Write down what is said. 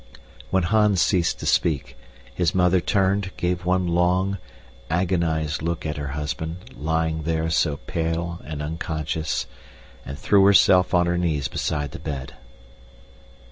When Hans ceased to speak, his mother turned, gave one long, agonized look at her husband, lying there so pale and unconscious, and threw herself on her knees beside the bed.